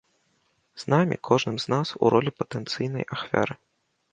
З намі, кожным з нас, у ролі патэнцыйнай ахвяры.